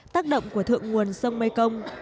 tác động của thượng nguồn sông mây công